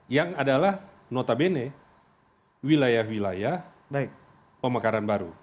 yang adalah notabene wilayah wilayah pemekaran baru